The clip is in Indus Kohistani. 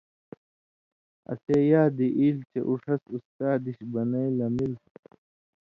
اسے یادی ایل چےۡ اُو ݜس اُستا دِش بنَیں لمِلوۡ